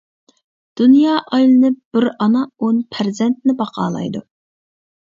دۇنيا ئايلىنىپ بىر ئانا ئون پەرزەنتىنى باقالايدۇ.